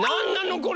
これ。